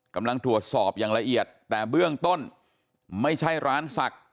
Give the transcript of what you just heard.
กำลังตรวจสอบอย่างละเอียดแต่เบื้องต้นไม่ใช่ร้านศักดิ์